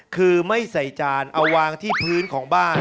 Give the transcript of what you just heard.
คือไม่ใส่จานเอาวางที่พื้นของบ้าน